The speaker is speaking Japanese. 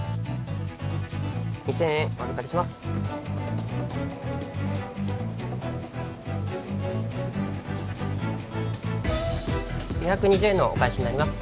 ２０００円お預かりします・２２０円のお返しになります